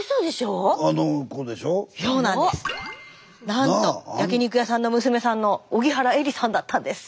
なんと焼き肉屋さんの娘さんの荻原詠理さんだったんです。